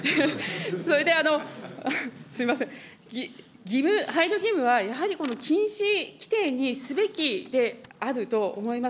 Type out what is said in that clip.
それで、すみません、配慮義務は、やはり禁止規定にすべきであると思います。